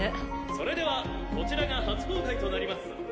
それではこちらが初公開となります。